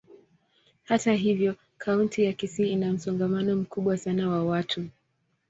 Hata hivyo, kaunti ya Kisii ina msongamano mkubwa sana wa watu.